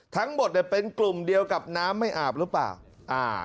ทั้งหมดเนี่ยเป็นกลุ่มเดียวกับน้ำไม่อาบหรือเปล่าอ่า